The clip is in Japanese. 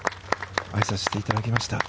あいさつしていただきました。